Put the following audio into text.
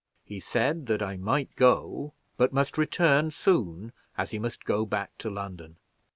He said that I might go, but must return soon, as he must go back to London.